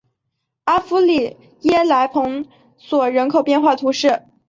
阿夫里耶莱蓬索人口变化图示